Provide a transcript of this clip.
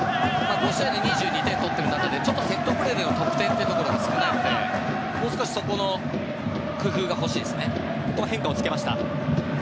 これまで２２点取っている中でセットプレーでの得点が少ないのでもう少し、そこの工夫が欲しいですね。